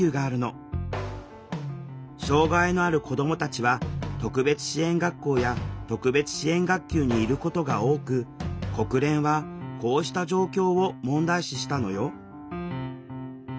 障害のある子どもたちは特別支援学校や特別支援学級にいることが多く国連はこうした状況を問題視したのよ